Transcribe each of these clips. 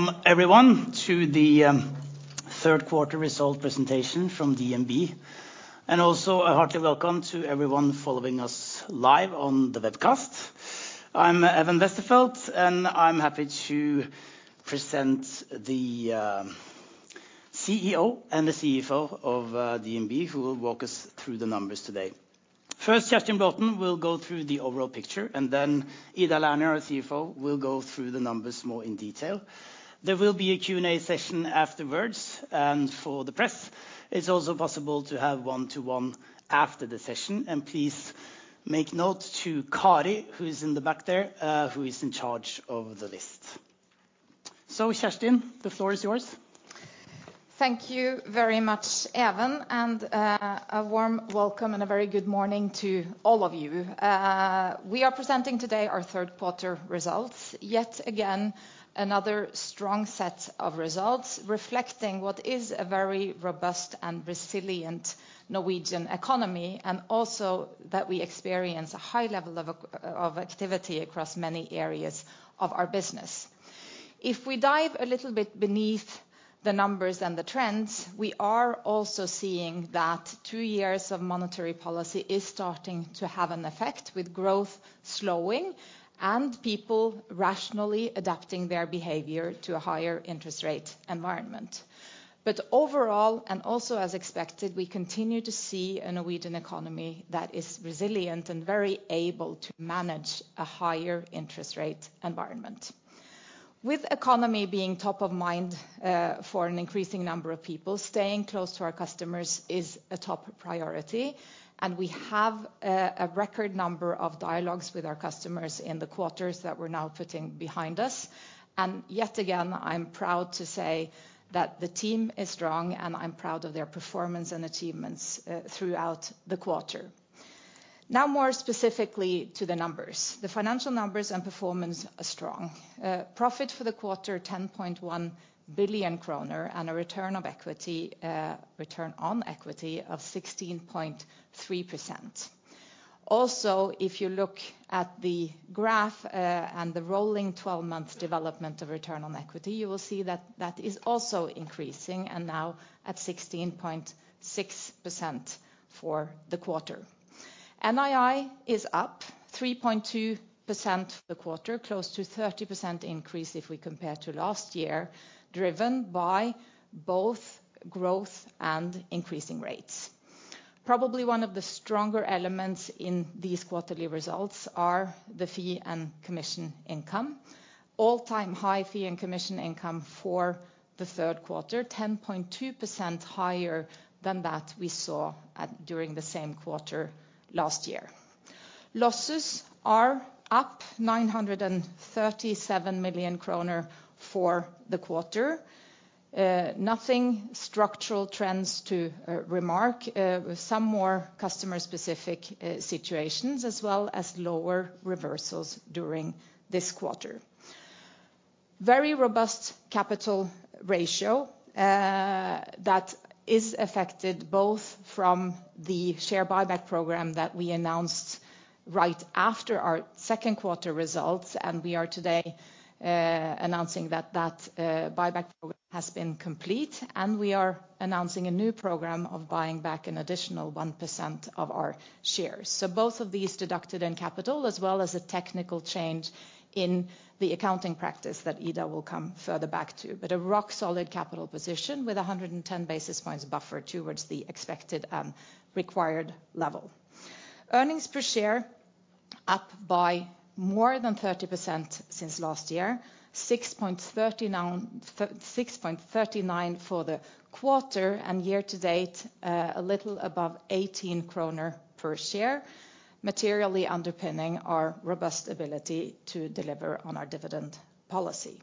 Welcome everyone, to the Q3 result presentation from DNB, and also a hearty welcome to everyone following us live on the webcast. I'm Even Westerveld, and I'm happy to present the CEO and the CFO of DNB, who will walk us through the numbers today. First, Kjerstin Braathen will go through the overall picture, and then Ida Lerner, our CFO, will go through the numbers more in detail. There will be a Q&A session afterwards, and for the press, it's also possible to have one-to-one after the session. Please make note to Kari, who's in the back there, who is in charge of the list. So, Kjerstin, the floor is yours. Thank you very much, Even, and a warm welcome and a very good morning to all of you. We are presenting today our Q3 results. Yet again, another strong set of results reflecting what is a very robust and resilient Norwegian economy, and also that we experience a high level of activity across many areas of our business. If we dive a little bit beneath the numbers and the trends, we are also seeing that two years of monetary policy is starting to have an effect, with growth slowing and people rationally adapting their behavior to a higher interest rate environment. But overall, and also as expected, we continue to see a Norwegian economy that is resilient and very able to manage a higher interest rate environment. With economy being top of mind for an increasing number of people, staying close to our customers is a top priority, and we have a record number of dialogues with our customers in the quarters that we're now putting behind us. And yet again, I'm proud to say that the team is strong, and I'm proud of their performance and achievements throughout the quarter. Now, more specifically to the numbers. The financial numbers and performance are strong. Profit for the quarter, 10.1 billion kroner, and a return of equity, return on equity of 16.3%. Also, if you look at the graph and the rolling 12-month development of return on equity, you will see that that is also increasing, and now at 16.6% for the quarter. NII is up 3.2% for the quarter, close to 30% increase if we compare to last year, driven by both growth and increasing rates. Probably one of the stronger elements in these quarterly results are the fee and commission income. All-time high fee and commission income for the Q3, 10.2% higher than that we saw at, during the same quarter last year. Losses are up 937 million kroner for the quarter. Nothing structural trends to remark. Some more customer-specific situations, as well as lower reversals during this quarter. Very robust capital ratio that is affected both from the share buyback program that we announced right after our Q2 results, and we are today announcing that buyback program has been complete, and we are announcing a new program of buying back an additional 1% of our shares. So both of these deducted in capital, as well as a technical change in the accounting practice that Ida will come further back to. But a rock-solid capital position with 110 basis points buffer towards the expected required level. Earnings per share up by more than 30% since last year, 6.39 for the quarter, and year to date a little above 18 kroner per share, materially underpinning our robust ability to deliver on our dividend policy.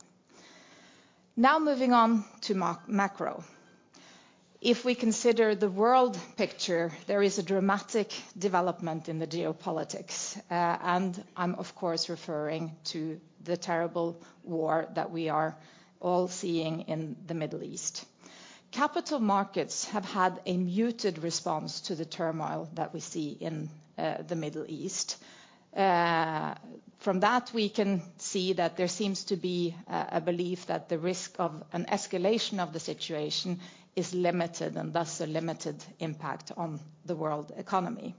Now moving on to macro. If we consider the world picture, there is a dramatic development in the geopolitics, and I'm of course referring to the terrible war that we are all seeing in the Middle East. Capital markets have had a muted response to the turmoil that we see in the Middle East. From that, we can see that there seems to be a belief that the risk of an escalation of the situation is limited, and thus a limited impact on the world economy.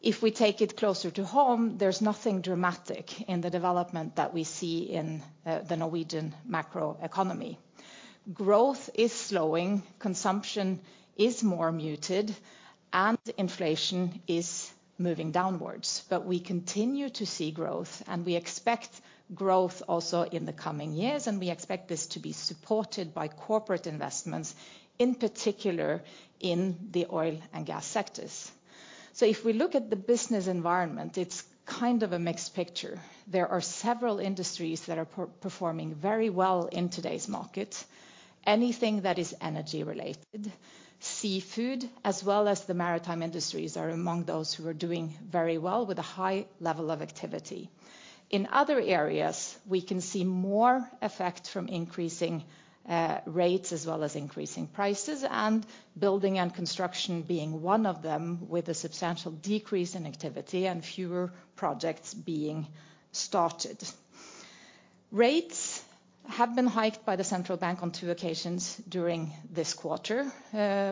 If we take it closer to home, there's nothing dramatic in the development that we see in the Norwegian macroeconomy. Growth is slowing, consumption is more muted, and inflation is moving downwards, but we continue to see growth, and we expect growth also in the coming years, and we expect this to be supported by corporate investments, in particular in the oil and gas sectors. So if we look at the business environment, it's kind of a mixed picture. There are several industries that are performing very well in today's market. Anything that is energy related, seafood, as well as the maritime industries, are among those who are doing very well, with a high level of activity. In other areas, we can see more effect from increasing rates as well as increasing prices, and building and construction being one of them, with a substantial decrease in activity and fewer projects being started. Rates have been hiked by the central bank on two occasions during this quarter.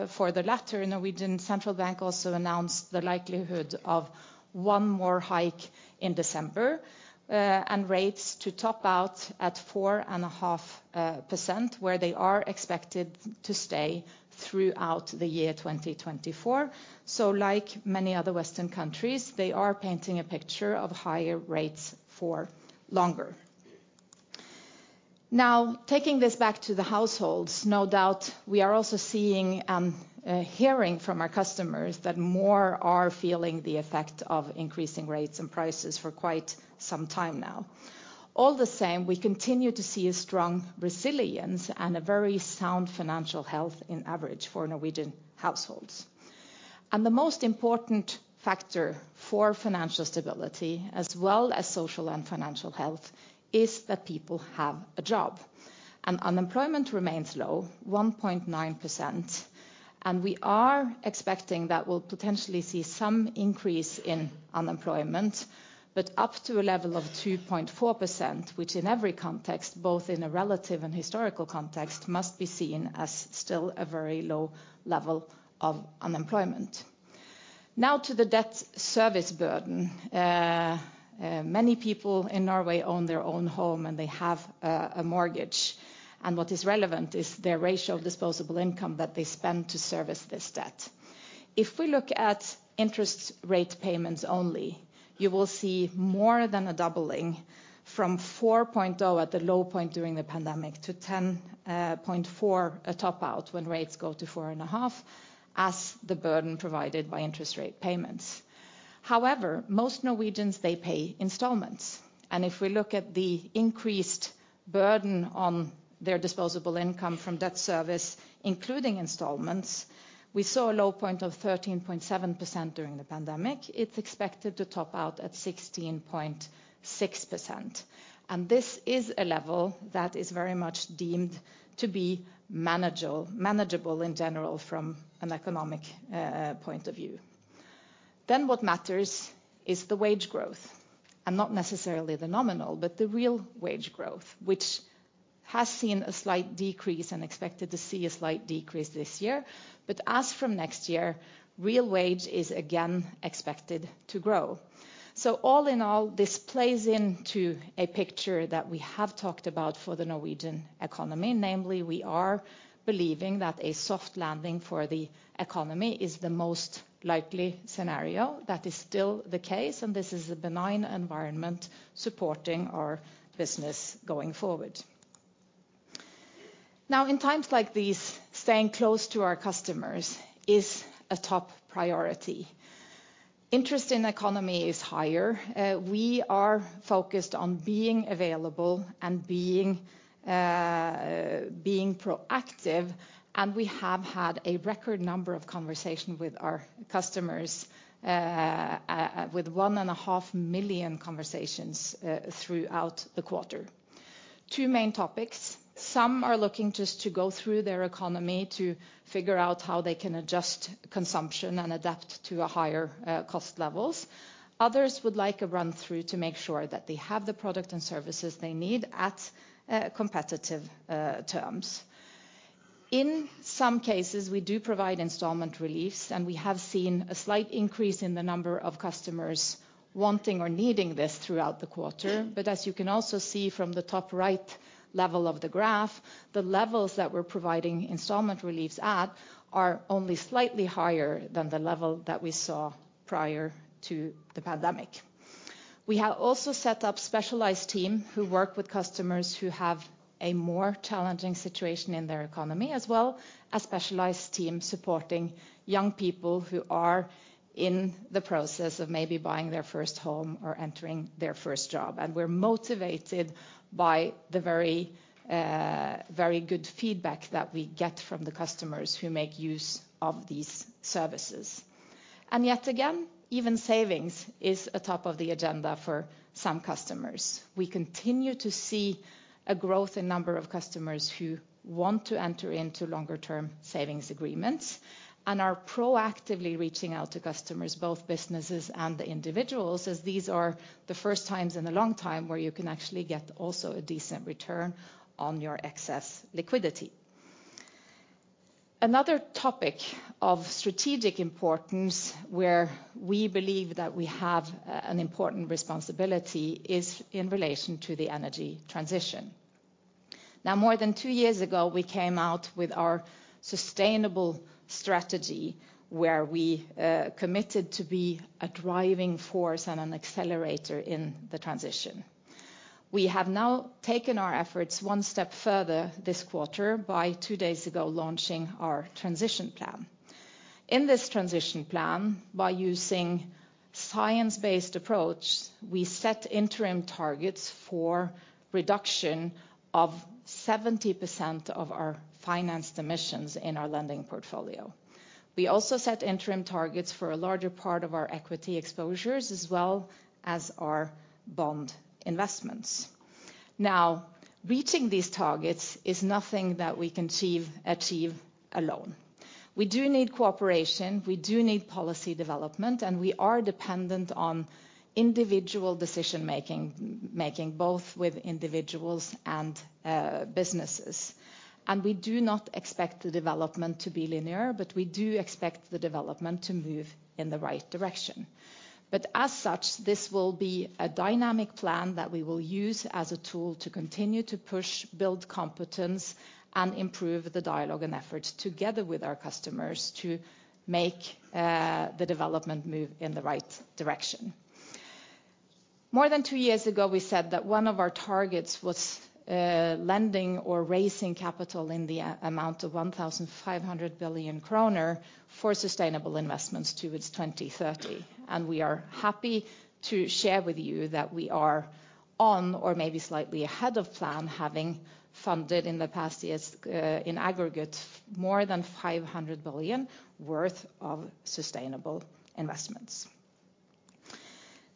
For the latter, Norwegian Central Bank also announced the likelihood of one more hike in December, and rates to top out at 4.5%, where they are expected to stay throughout the year 2024. So like many other Western countries, they are painting a picture of higher rates for longer. Now, taking this back to the households, no doubt, we are also seeing, hearing from our customers that more are feeling the effect of increasing rates and prices for quite some time now. All the same, we continue to see a strong resilience and a very sound financial health in average for Norwegian households. And the most important factor for financial stability, as well as social and financial health, is that people have a job, and unemployment remains low, 1.9%. And we are expecting that we'll potentially see some increase in unemployment, but up to a level of 2.4%, which in every context, both in a relative and historical context, must be seen as still a very low level of unemployment. Now to the debt service burden. Many people in Norway own their own home, and they have a mortgage, and what is relevant is their ratio of disposable income that they spend to service this debt. If we look at interest rate payments only, you will see more than a doubling from 4.0 at the low point during the pandemic, to 10.4, a top out when rates go to 4.5, as the burden provided by interest rate payments. However, most Norwegians, they pay installments, and if we look at the increased burden on their disposable income from debt service, including installments, we saw a low point of 13.7% during the pandemic. It's expected to top out at 16.6%, and this is a level that is very much deemed to be manageable, manageable in general from an economic point of view. Then what matters is the wage growth, and not necessarily the nominal, but the real wage growth, which has seen a slight decrease and expected to see a slight decrease this year. But as from next year, real wage is again expected to grow. So all in all, this plays into a picture that we have talked about for the Norwegian economy. Namely, we are believing that a soft landing for the economy is the most likely scenario. That is still the case, and this is a benign environment supporting our business going forward. Now, in times like these, staying close to our customers is a top priority. Interest in economy is higher. We are focused on being available and being proactive, and we have had a record number of conversations with our customers with 1.5 million conversations throughout the quarter. Two main topics. Some are looking just to go through their economy to figure out how they can adjust consumption and adapt to a higher cost levels. Others would like a run through to make sure that they have the products and services they need at competitive terms. In some cases, we do provide installment reliefs, and we have seen a slight increase in the number of customers wanting or needing this throughout the quarter. But as you can also see from the top right level of the graph, the levels that we're providing installment reliefs at are only slightly higher than the level that we saw prior to the pandemic. We have also set up specialized team who work with customers who have a more challenging situation in their economy, as well as a specialized team supporting young people who are in the process of maybe buying their first home or entering their first job. And we're motivated by the very, very good feedback that we get from the customers who make use of these services. And yet again, even savings is a top of the agenda for some customers. We continue to see a growth in number of customers who want to enter into longer term savings agreements, and are proactively reaching out to customers, both businesses and the individuals, as these are the first times in a long time where you can actually get also a decent return on your excess liquidity. Another topic of strategic importance, where we believe that we have an important responsibility, is in relation to the energy transition. Now, more than two years ago, we came out with our sustainable strategy, where we committed to be a driving force and an accelerator in the transition. We have now taken our efforts one step further this quarter by two days ago, launching our transition plan. In this transition plan, by using science-based approach, we set interim targets for reduction of 70% of our financed emissions in our lending portfolio. We also set interim targets for a larger part of our equity exposures, as well as our bond investments. Now, reaching these targets is nothing that we can achieve alone. We do need cooperation, we do need policy development, and we are dependent on individual decision making, both with individuals and businesses. We do not expect the development to be linear, but we do expect the development to move in the right direction. As such, this will be a dynamic plan that we will use as a tool to continue to push, build competence, and improve the dialogue and effort together with our customers to make the development move in the right direction. More than two years ago, we said that one of our targets was lending or raising capital in the amount of 1,500 billion kroner for sustainable investments towards 2030, and we are happy to share with you that we are on, or maybe slightly ahead of plan, having funded in the past years, in aggregate, more than 500 billion worth of sustainable investments.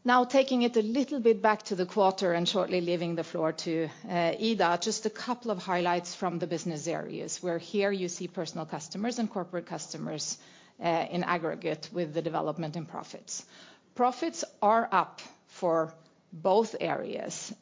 Now, taking it a little bit back to the quarter and shortly leaving the floor to Ida, just a couple of highlights from the business areas, where here you see personal customers and corporate customers, in aggregate with the development in profits. Profits are up for both areas,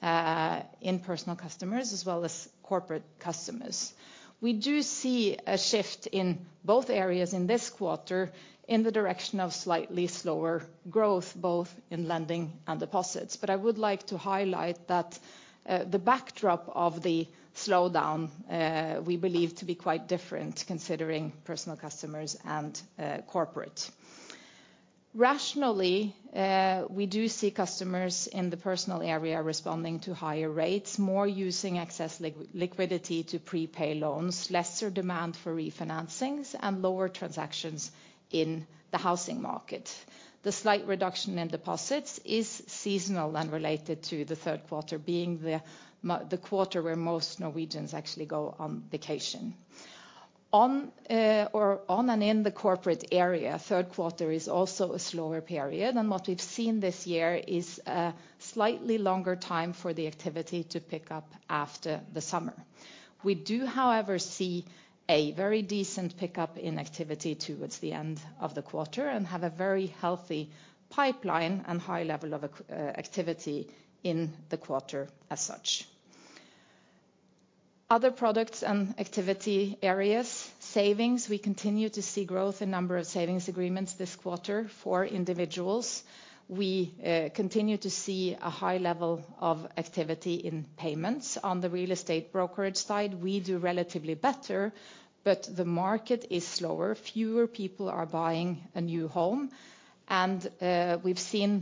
in personal customers as well as corporate customers. We do see a shift in both areas in this quarter, in the direction of slightly slower growth, both in lending and deposits. But I would like to highlight that, the backdrop of the slowdown, we believe to be quite different, considering personal customers and corporate. Rationally, we do see customers in the personal area responding to higher rates, more using excess liquidity to pre-pay loans, lesser demand for refinancings, and lower transactions in the housing market. The slight reduction in deposits is seasonal and related to the Q3 being the quarter where most Norwegians actually go on vacation. On, or on and in the corporate area, Q3 is also a slower period, and what we've seen this year is a slightly longer time for the activity to pick up after the summer. We do, however, see a very decent pickup in activity towards the end of the quarter, and have a very healthy pipeline and high level of activity in the quarter as such. Other products and activity areas, savings, we continue to see growth in number of savings agreements this quarter for individuals. We continue to see a high level of activity in payments. On the real estate brokerage side, we do relatively better, but the market is slower. Fewer people are buying a new home, and we've seen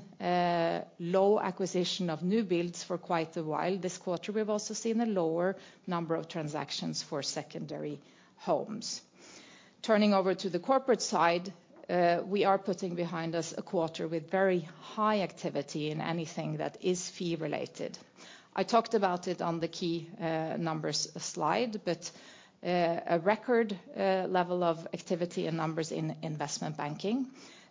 low acquisition of new builds for quite a while. This quarter, we've also seen a lower number of transactions for secondary homes. Turning over to the corporate side, we are putting behind us a quarter with very high activity in anything that is fee-related. I talked about it on the key numbers slide, but a record level of activity and numbers in investment banking.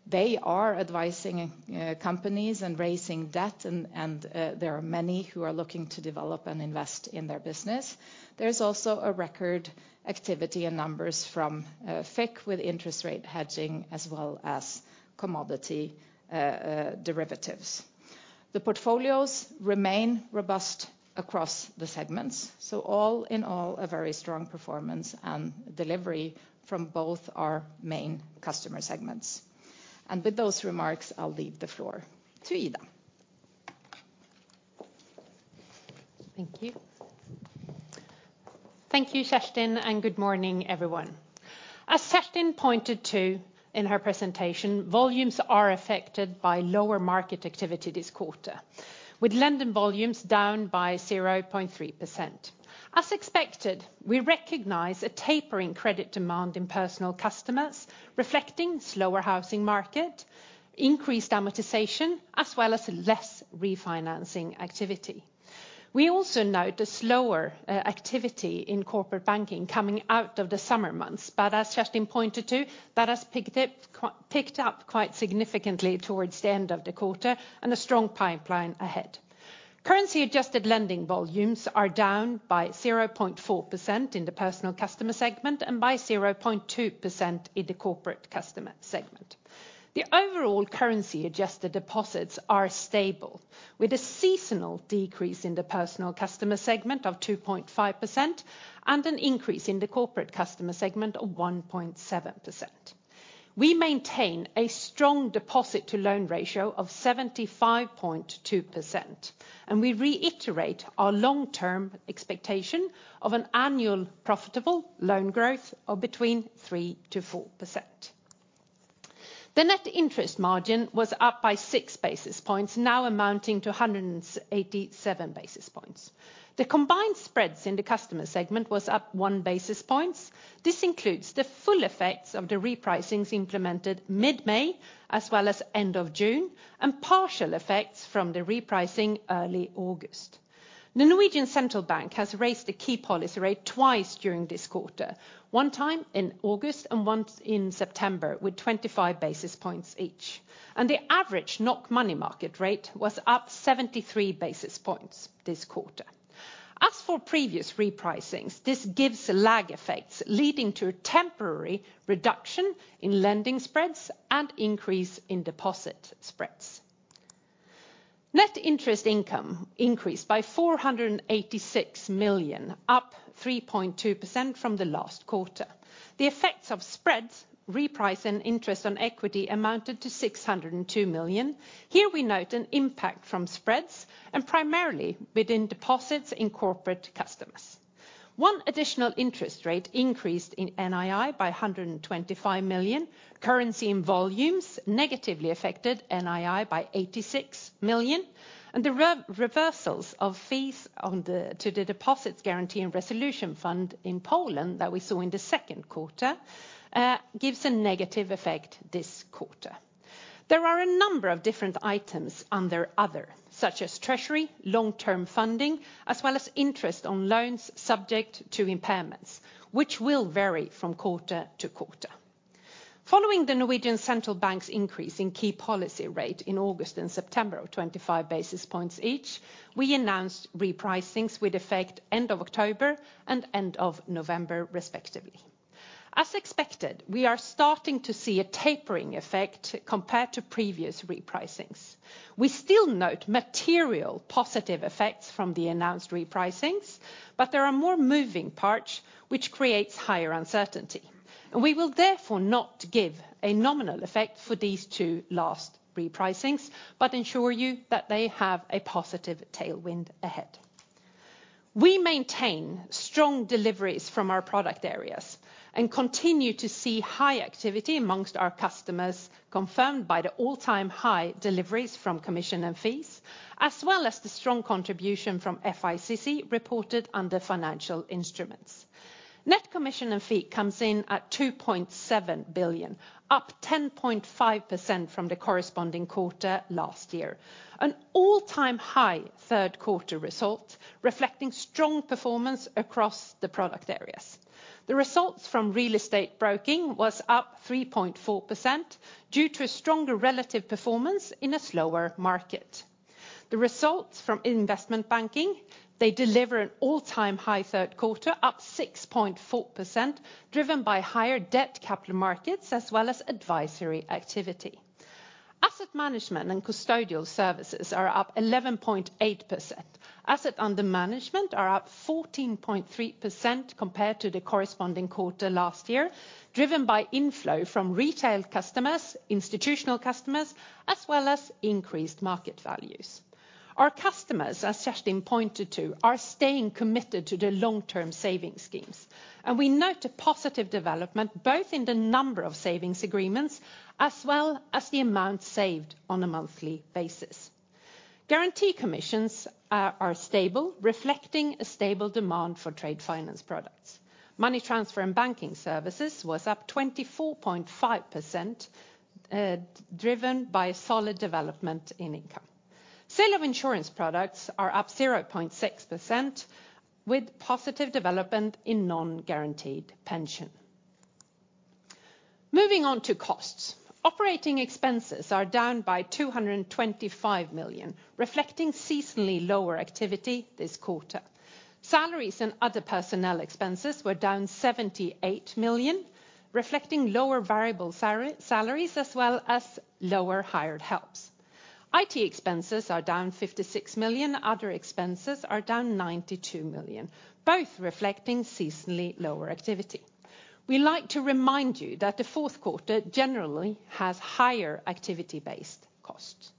They are advising companies and raising debt, and there are many who are looking to develop and invest in their business. There's also a record activity in numbers from FCC with interest rate hedging, as well as commodity derivatives. The portfolios remain robust across the segments, so all in all, a very strong performance and delivery from both our main customer segments. And with those remarks, I'll leave the floor to Ida. Thank you Thank you, Kjerstin, and good morning, everyone. As Kjerstin pointed to in her presentation, volumes are affected by lower market activity this quarter, with lending volumes down by 0.3%. As expected, we recognize a tapering credit demand in personal customers, reflecting slower housing market, increased amortization, as well as less refinancing activity. We also note a slower activity in corporate banking coming out of the summer months, but as Kjerstin pointed to, that has picked up quite significantly towards the end of the quarter, and a strong pipeline ahead. Currency-adjusted lending volumes are down by 0.4% in the personal customer segment, and by 0.2% in the corporate customer segment. The overall currency-adjusted deposits are stable, with a seasonal decrease in the personal customer segment of 2.5%, and an increase in the corporate customer segment of 1.7%. We maintain a strong deposit-to-loan ratio of 75.2%, and we reiterate our long-term expectation of an annual profitable loan growth of between 3%-4%. The net interest margin was up by 6 basis points, now amounting to 187 basis points. The combined spreads in the customer segment was up 1 basis points. This includes the full effects of the repricings implemented mid-May, as well as end of June, and partial effects from the repricing early August. The Norwegian Central Bank has raised the key policy rate twice during this quarter, one time in August, and once in September, with 25 basis points each, and the average NOK money market rate was up 73 basis points this quarter. As for previous repricings, this gives lag effects, leading to a temporary reduction in lending spreads and increase in deposit spreads. Net interest income increased by 486 million, up 3.2% from the last quarter. The effects of spreads, reprice, and interest on equity amounted to 602 million. Here we note an impact from spreads and primarily within deposits in corporate customers. One additional interest rate increased in NII by 125 million, currency and volumes negatively affected NII by 86 million, and the reversals of fees on the, to the Deposit Guarantee and Resolution Fund in Poland that we saw in the Q2 gives a negative effect this quarter. There are a number of different items under other, such as treasury, long-term funding, as well as interest on loans subject to impairments, which will vary from quarter to quarter. Following the Norwegian Central Bank's increase in key policy rate in August and September of 25 basis points each, we announced repricings with effect end of October and end of November, respectively. As expected, we are starting to see a tapering effect compared to previous repricings. We still note material positive effects from the announced repricings, but there are more moving parts, which creates higher uncertainty, and we will therefore not give a nominal effect for these two last repricings, but ensure you that they have a positive tailwind ahead. We maintain strong deliveries from our product areas, and continue to see high activity amongst our customers, confirmed by the all-time high deliveries from commission and fees, as well as the strong contribution from FICC reported under financial instruments. Net commission and fee comes in at 2.7 billion, up 10.5% from the corresponding quarter last year. An all-time high Q3 result, reflecting strong performance across the product areas. The results from real estate broking was up 3.4% due to a stronger relative performance in a slower market. The results from investment banking, they deliver an all-time high Q3, up 6.4%, driven by higher debt capital markets as well as advisory activity. Asset management and custodial services are up 11.8%. Asset under management are up 14.3% compared to the corresponding quarter last year, driven by inflow from retail customers, institutional customers, as well as increased market values. Our customers, as Kjerstin pointed to, are staying committed to the long-term savings schemes, and we note a positive development, both in the number of savings agreements, as well as the amount saved on a monthly basis. Guarantee commissions are stable, reflecting a stable demand for trade finance products. Money transfer and banking services was up 24.5%, driven by solid development in income. Sale of insurance products are up 0.6% with positive development in non-guaranteed pension. Moving on to costs. Operating expenses are down by 225 million, reflecting seasonally lower activity this quarter. Salaries and other personnel expenses were down 78 million, reflecting lower variable salaries as well as lower hired helps. IT expenses are down 56 million, other expenses are down 92 million, both reflecting seasonally lower activity. We like to remind you that the Q4 generally has higher activity-based costs.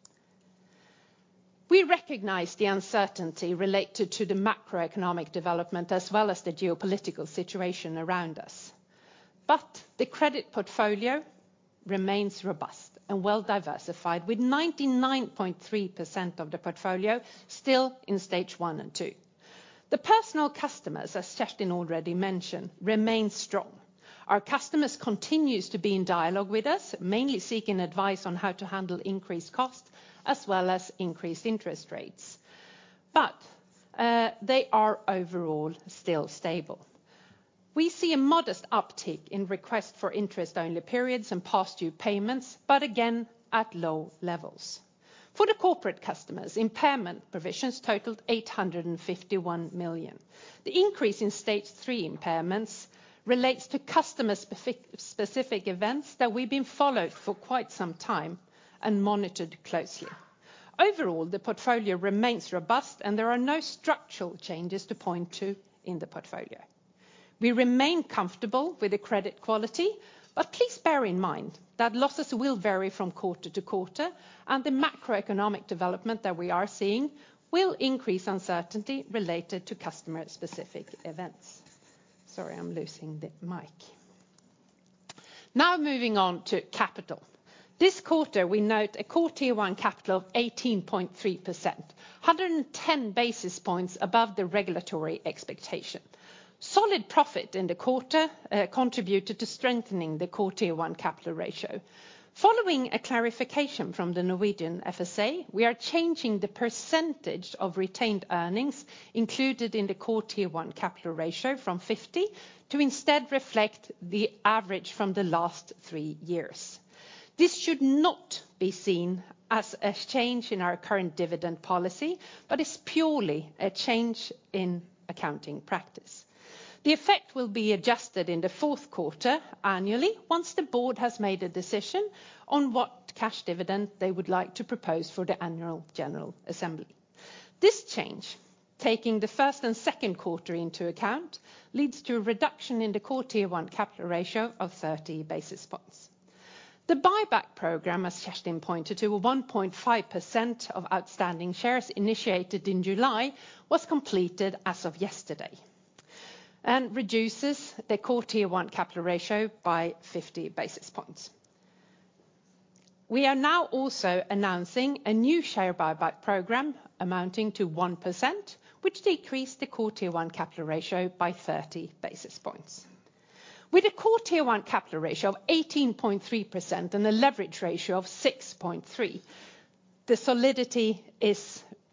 We recognize the uncertainty related to the macroeconomic development as well as the geopolitical situation around us, but the credit portfolio remains robust and well diversified, with 99.3% of the portfolio still in stage one and two. The personal customers, as Kjerstin already mentioned, remain strong. Our customers continues to be in dialogue with us, mainly seeking advice on how to handle increased costs as well as increased interest rates. But, they are overall still stable. We see a modest uptick in request for interest-only periods and past due payments, but again, at low levels. For the corporate customers, impairment provisions totaled 851 million. The increase in stage three impairments relates to customer specific events that we've been followed for quite some time and monitored closely. Overall, the portfolio remains robust, and there are no structural changes to point to in the portfolio. We remain comfortable with the credit quality, but please bear in mind that losses will vary from quarter to quarter, and the macroeconomic development that we are seeing will increase uncertainty related to customer-specific events. Sorry, I'm losing the mic. Now, moving on to capital. This quarter, we note a core Tier 1 capital of 18.3%, 110 basis points above the regulatory expectation. Solid profit in the quarter contributed to strengthening the core Tier 1 capital ratio. Following a clarification from the Norwegian FSA, we are changing the percentage of retained earnings included in the core Tier 1 capital ratio from 50, to instead reflect the average from the last three years.... This should not be seen as a change in our current dividend policy, but it's purely a change in accounting practice. The effect will be adjusted in the Q4 annually, once the board has made a decision on what cash dividend they would like to propose for the annual general assembly. This change, taking the first and Q2 into account, leads to a reduction in the core Tier 1 capital ratio of 30 basis points. The buyback program, as Kjerstin pointed to, of 1.5% of outstanding shares initiated in July, was completed as of yesterday, and reduces the core Tier 1 capital ratio by 50 basis points. We are now also announcing a new share buyback program amounting to 1%, which decreased the core Tier 1 capital ratio by 30 basis points. With a core Tier 1 capital ratio of 18.3% and a leverage ratio of 6.3, the solidity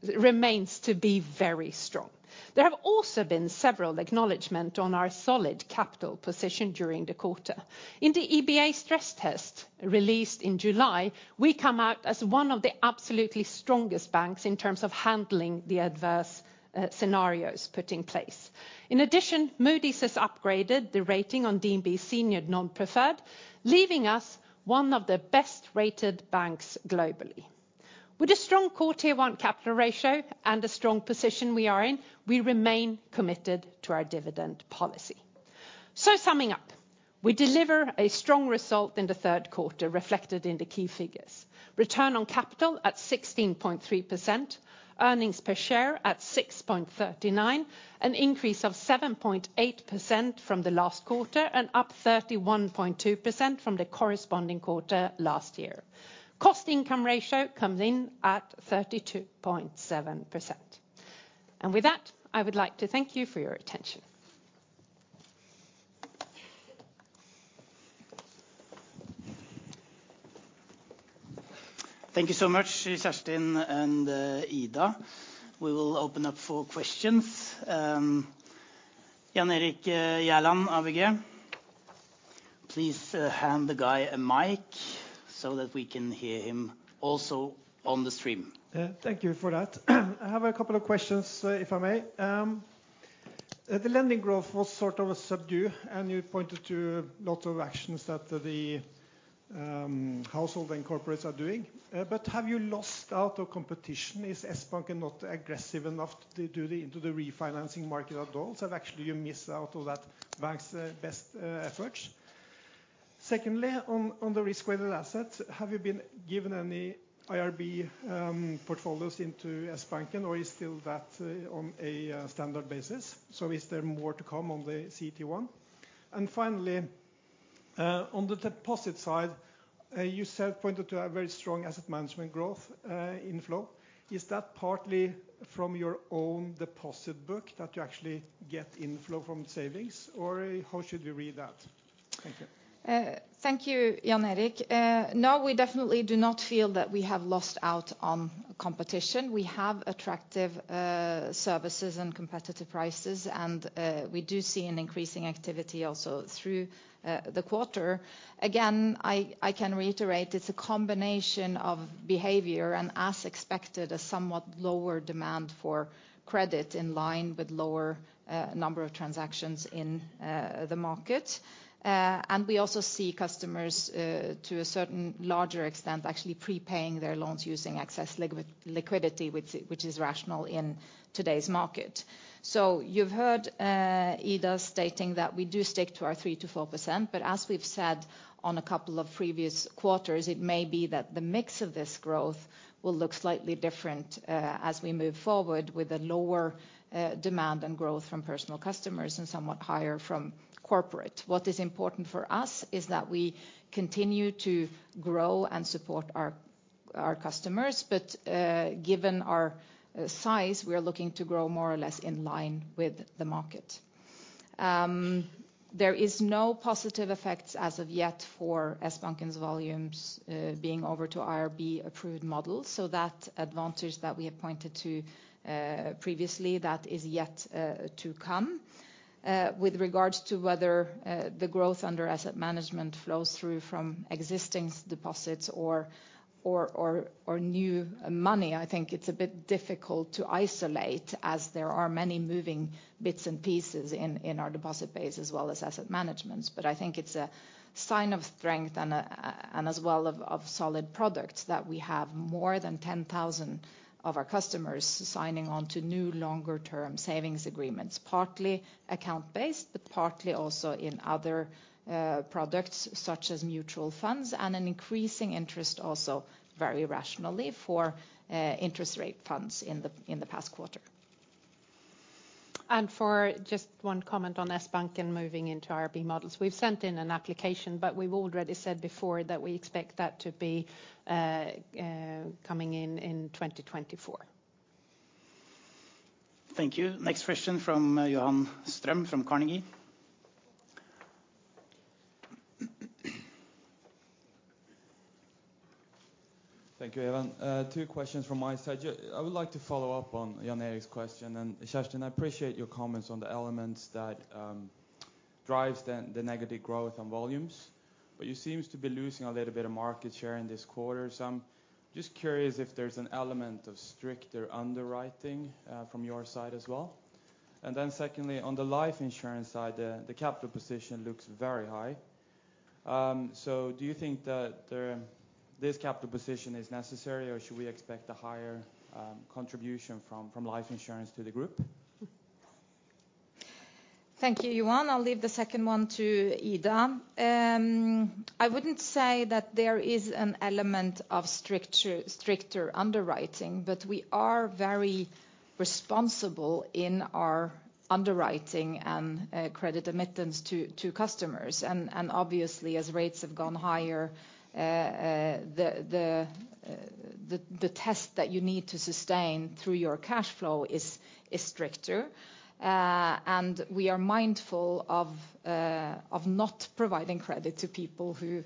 remains to be very strong. There have also been several acknowledgments on our solid capital position during the quarter. In the EBA stress test released in July, we come out as one of the absolutely strongest banks in terms of handling the adverse scenarios put in place. In addition, Moody's has upgraded the rating on DNB's senior non-preferred, leaving us one of the best-rated banks globally. With a strong core Tier 1 capital ratio and the strong position we are in, we remain committed to our dividend policy. So summing up, we deliver a strong result in the Q3, reflected in the key figures. Return on capital at 16.3%, earnings per share at 6.39, an increase of 7.8% from the last quarter, and up 31.2% from the corresponding quarter last year. Cost income ratio comes in at 32.7%. With that, I would like to thank you for your attention. Thank you so much, Kjerstin and, Ida. We will open up for questions. Jan Erik Gjerland, ABG. Please, hand the guy a mic so that we can hear him also on the stream. Thank you for that. I have a couple of questions, if I may. The lending growth was sort of a subdued, and you pointed to lots of actions that the household and corporates are doing. But have you lost out on competition? Is Sbanken not aggressive enough to do into the refinancing market at all? So actually, you miss out on that bank's best efforts. Secondly, on the risk-weighted assets, have you been given any IRB portfolios into Sbanken, or is still that on a standard basis? So is there more to come on the CET1? And finally, on the deposit side, you said, pointed to a very strong asset management growth inflow. Is that partly from your own deposit book, that you actually get inflow from savings, or how should we read that? Thank you. Thank you, Jan Erik. No, we definitely do not feel that we have lost out on competition. We have attractive services and competitive prices, and we do see an increasing activity also through the quarter. Again, I can reiterate, it's a combination of behavior and, as expected, a somewhat lower demand for credit, in line with lower number of transactions in the market. And we also see customers to a certain larger extent, actually prepaying their loans using excess liquidity, which is rational in today's market. So you've heard, Ida stating that we do stick to our 3%-4%, but as we've said on a couple of previous quarters, it may be that the mix of this growth will look slightly different, as we move forward with a lower, demand and growth from personal customers and somewhat higher from corporate. What is important for us is that we continue to grow and support our, our customers, but, given our, size, we're looking to grow more or less in line with the market. There is no positive effects as of yet for Sbanken's volumes, being over to IRB approved models, so that advantage that we have pointed to, previously, that is yet, to come. With regards to whether the growth under asset management flows through from existing deposits or new money, I think it's a bit difficult to isolate, as there are many moving bits and pieces in our deposit base, as well as asset managements. But I think it's a sign of strength and as well of solid products, that we have more than 10,000 of our customers signing on to new longer-term savings agreements, partly account-based, but partly also in other products such as mutual funds, and an increasing interest also, very rationally, for interest rate funds in the past quarter. For just one comment on Sbanken and moving into IRB models, we've sent in an application, but we've already said before that we expect that to be coming in in 2024. Thank you. Next question from Johan Strøm, from Carnegie. ... Thank you, Even. Two questions from my side. I would like to follow up on Jan Erik's question, and Kjerstin, I appreciate your comments on the elements that drives the negative growth on volumes, but you seems to be losing a little bit of market share in this quarter. So I'm just curious if there's an element of stricter underwriting from your side as well? And then secondly, on the life insurance side, the capital position looks very high. So do you think that there this capital position is necessary, or should we expect a higher contribution from life insurance to the group? Thank you, Johan. I'll leave the second one to Ida. I wouldn't say that there is an element of stricter underwriting, but we are very responsible in our underwriting and credit admittance to customers. And obviously, as rates have gone higher, the test that you need to sustain through your cash flow is stricter. And we are mindful of not providing credit to people who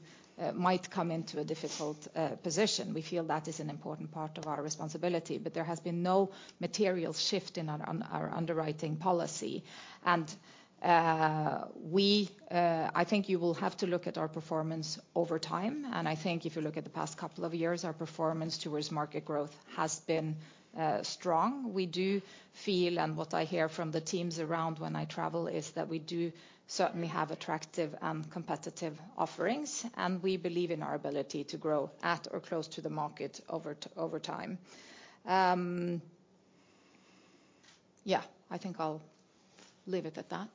might come into a difficult position. We feel that is an important part of our responsibility, but there has been no material shift in our underwriting policy. And I think you will have to look at our performance over time, and I think if you look at the past couple of years, our performance towards market growth has been strong. We do feel, and what I hear from the teams around when I travel, is that we do certainly have attractive and competitive offerings, and we believe in our ability to grow at or close to the market over time. Yeah, I think I'll leave it at that.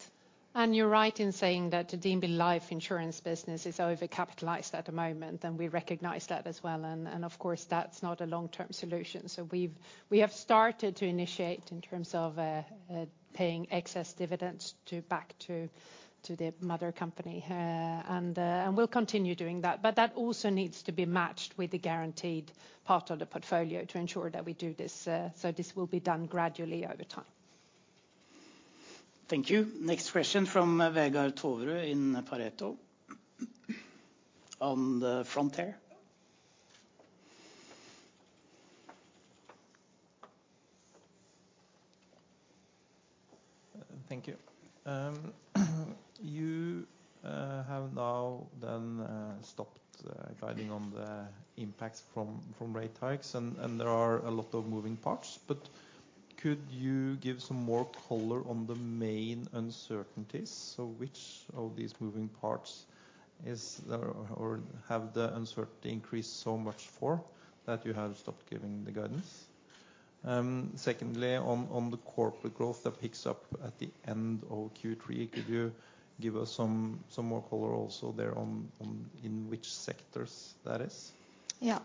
And you're right in saying that the DNB Life Insurance business is over-capitalized at the moment, and we recognize that as well. And, of course, that's not a long-term solution, so we have started to initiate in terms of paying excess dividends back to the mother company. And we'll continue doing that. But that also needs to be matched with the guaranteed part of the portfolio to ensure that we do this, so this will be done gradually over time. Thank you. Next question from Vegard Toverud in Pareto. On the front there. Thank you. You have now then stopped guiding on the impacts from rate hikes, and there are a lot of moving parts. But could you give some more color on the main uncertainties? So which of these moving parts is, or have the uncertainty increased so much for, that you have stopped giving the guidance? Secondly, on the corporate growth that picks up at the end of Q3, could you give us some more color also there on, in which sectors that is? Yeah.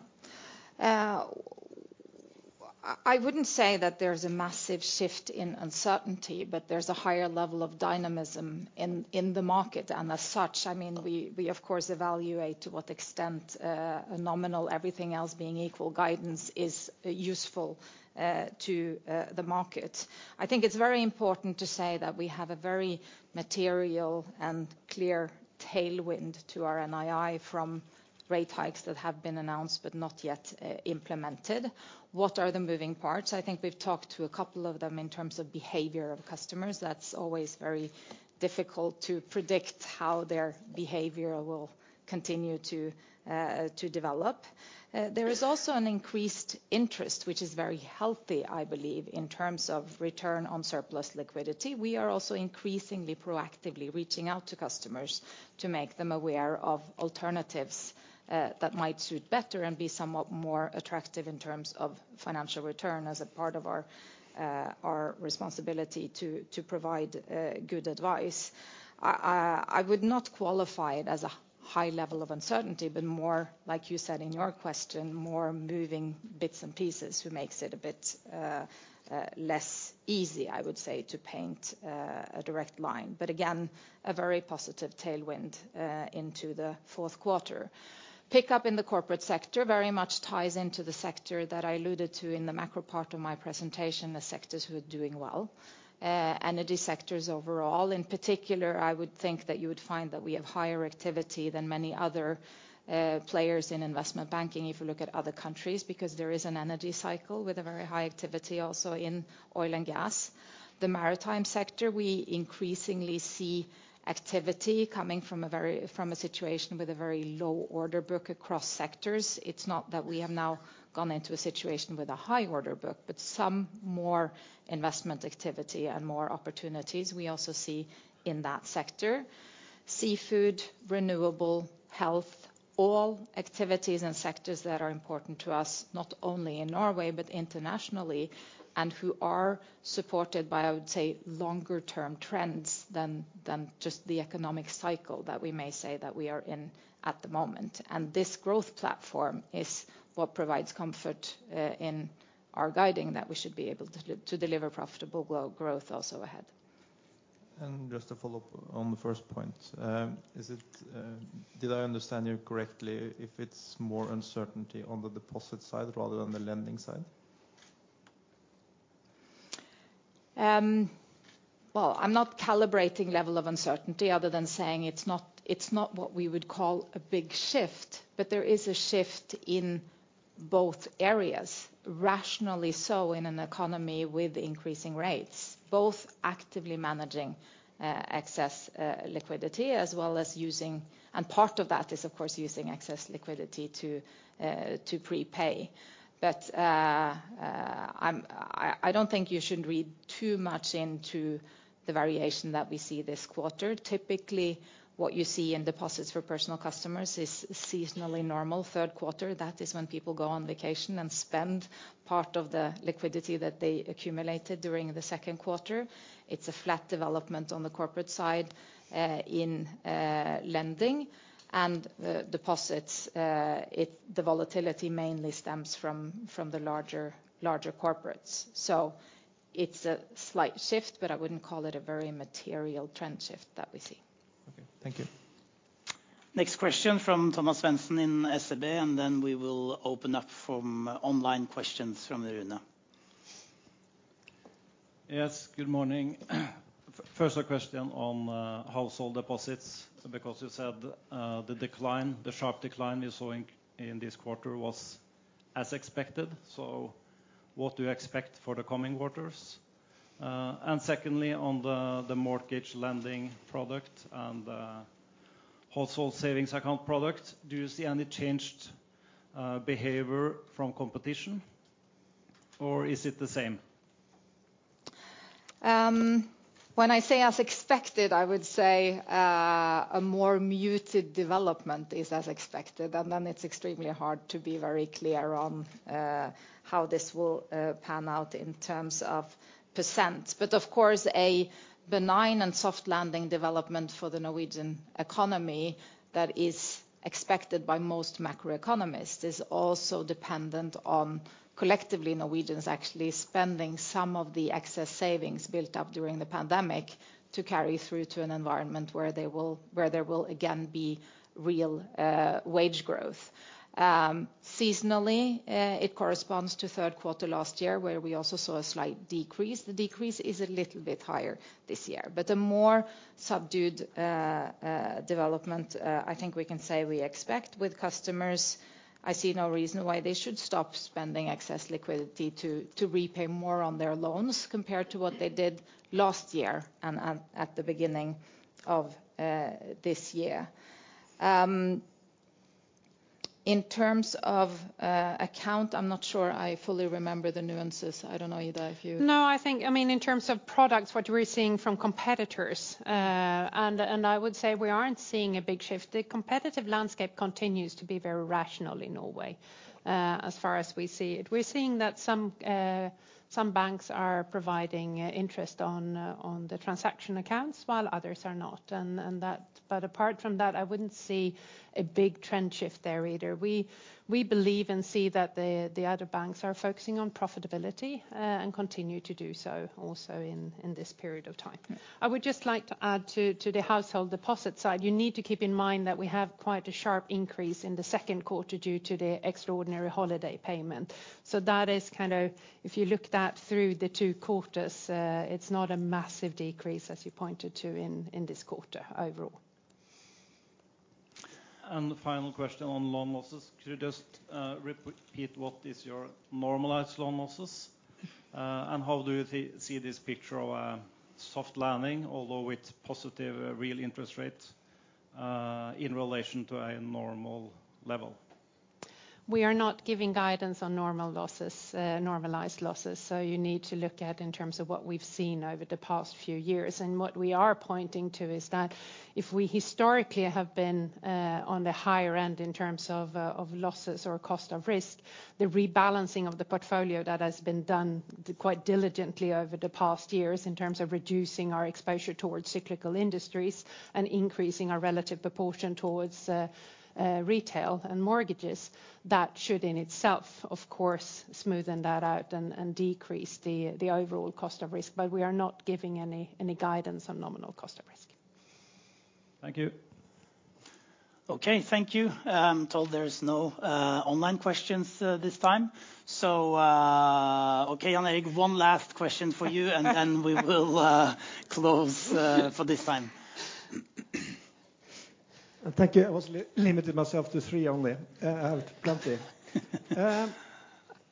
I wouldn't say that there's a massive shift in uncertainty, but there's a higher level of dynamism in the market, and as such, I mean, we of course evaluate to what extent a nominal everything else being equal guidance is useful to the market. I think it's very important to say that we have a very material and clear tailwind to our NII from rate hikes that have been announced, but not yet implemented. What are the moving parts? I think we've talked to a couple of them in terms of behavior of customers. That's always very difficult to predict how their behavior will continue to develop. There is also an increased interest, which is very healthy, I believe, in terms of return on surplus liquidity. We are also increasingly proactively reaching out to customers to make them aware of alternatives that might suit better and be somewhat more attractive in terms of financial return as a part of our our responsibility to provide good advice. I would not qualify it as a high level of uncertainty, but more like you said in your question, more moving bits and pieces who makes it a bit less easy, I would say, to paint a direct line. But again, a very positive tailwind into the Q4. Pick-up in the corporate sector very much ties into the sector that I alluded to in the macro part of my presentation, the sectors who are doing well. Energy sectors overall, in particular, I would think that you would find that we have higher activity than many other players in investment banking if you look at other countries, because there is an energy cycle with a very high activity also in oil and gas. The maritime sector, we increasingly see activity coming from a situation with a very low order book across sectors. It's not that we have now gone into a situation with a high order book, but some more investment activity and more opportunities we also see in that sector. Seafood, renewable, health, all activities and sectors that are important to us, not only in Norway, but internationally, and who are supported by, I would say, longer term trends than just the economic cycle that we may say that we are in at the moment. This growth platform is what provides comfort in our guidance, that we should be able to deliver profitable growth also ahead. Just to follow up on the first point, did I understand you correctly if it's more uncertainty on the deposit side rather than the lending side? ... Well, I'm not calibrating level of uncertainty other than saying it's not what we would call a big shift, but there is a shift in both areas, rationally so in an economy with increasing rates, both actively managing excess liquidity, as well as using... And part of that is, of course, using excess liquidity to prepay. But I don't think you should read too much into the variation that we see this quarter. Typically, what you see in deposits for personal customers is seasonally normal. Q3, that is when people go on vacation and spend part of the liquidity that they accumulated during the Q2. It's a flat development on the corporate side in lending. And the deposits, the volatility mainly stems from the larger corporates. It's a slight shift, but I wouldn't call it a very material trend shift that we see. Okay, thank you. Next question from Thomas Svendsen in SEB, and then we will open up from online questions from the room now. Yes, good morning. First, a question on household deposits, because you said the decline, the sharp decline you're seeing in this quarter was as expected. So what do you expect for the coming quarters? And secondly, on the mortgage lending product and household savings account product, do you see any changed behavior from competition, or is it the same? When I say as expected, I would say a more muted development is as expected, and then it's extremely hard to be very clear on how this will pan out in terms of percent. But of course, a benign and soft landing development for the Norwegian economy that is expected by most macroeconomists is also dependent on, collectively, Norwegians actually spending some of the excess savings built up during the pandemic to carry through to an environment where there will again be real wage growth. Seasonally, it corresponds to Q3 last year, where we also saw a slight decrease. The decrease is a little bit higher this year. But a more subdued development, I think we can say we expect with customers. I see no reason why they should stop spending excess liquidity to repay more on their loans compared to what they did last year and at the beginning of this year. In terms of account, I'm not sure I fully remember the nuances. I don't know either if you- No, I think. I mean, in terms of products, what we're seeing from competitors, and I would say we aren't seeing a big shift. The competitive landscape continues to be very rational in Norway, as far as we see it. We're seeing that some banks are providing interest on the transaction accounts, while others are not. But apart from that, I wouldn't see a big trend shift there either. We believe and see that the other banks are focusing on profitability, and continue to do so also in this period of time. I would just like to add to the household deposit side, you need to keep in mind that we have quite a sharp increase in the Q2 due to the extraordinary holiday payment. So that is kind of... If you look that through the two quarters, it's not a massive decrease, as you pointed to, in this quarter overall. The final question on loan losses. Could you just repeat what is your normalized loan losses? And how do you see this picture of a soft landing, although with positive real interest rates, in relation to a normal level? We are not giving guidance on normal losses, normalized losses, so you need to look at in terms of what we've seen over the past few years. What we are pointing to is that if we historically have been on the higher end in terms of of losses or cost of risk, the rebalancing of the portfolio that has been done quite diligently over the past years in terms of reducing our exposure towards cyclical industries and increasing our relative proportion towards retail and mortgages, that should in itself, of course, smoothen that out and decrease the overall cost of risk. But we are not giving any guidance on nominal cost of risk. Thank you. Okay, thank you. I'm told there's no online questions this time. So, okay, Jan Erik, one last question for you and then we will close for this time. Thank you. I was limiting myself to three only. I have plenty.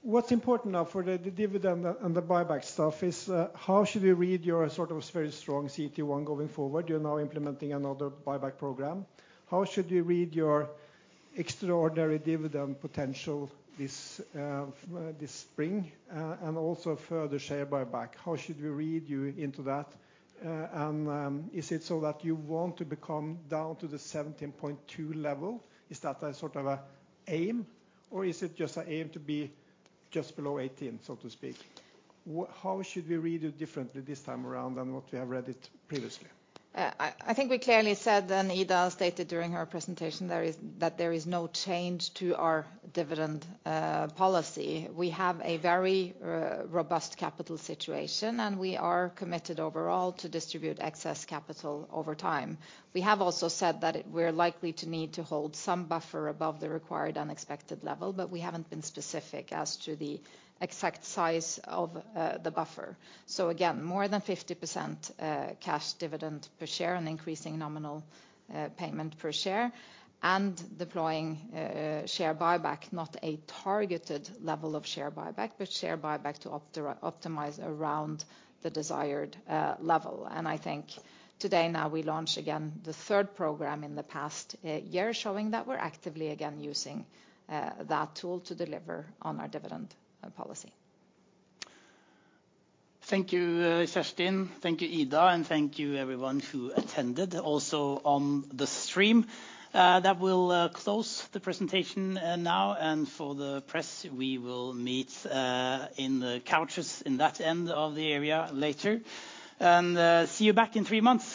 What's important now for the dividend and the buyback stuff is how should we read your sort of very strong CET1 going forward? You're now implementing another buyback program. How should we read your extraordinary dividend potential this this spring and also further share buyback? How should we read you into that and is it so that you want to become down to the 17.2 level? Is that a sort of a aim or is it just a aim to be just below 18 so to speak? How should we read it differently this time around than what we have read it previously? I think we clearly said, and Ida stated during her presentation, there is no change to our dividend policy. We have a very robust capital situation, and we are committed overall to distribute excess capital over time. We have also said that we're likely to need to hold some buffer above the required unexpected level, but we haven't been specific as to the exact size of the buffer. So again, more than 50% cash dividend per share, an increasing nominal payment per share, and deploying share buyback. Not a targeted level of share buyback, but share buyback to optimize around the desired level. I think today, now, we launch again the third program in the past year, showing that we're actively again using that tool to deliver on our dividend policy. Thank you, Kjerstin, thank you, Ida, and thank you everyone who attended, also on the stream. That will close the presentation now, and for the press, we will meet in the couches in that end of the area later. See you back in three months.